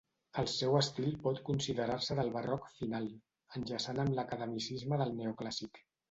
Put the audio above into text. El seu estil pot considerar-se del barroc final, enllaçant amb l'academicisme del neoclàssic.